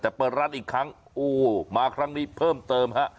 แต่เปิดรัดอีกครั้งมาครั้งนี้เพิ่มเติม